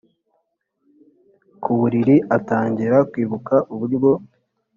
kubuririatangira kwibuka uburyo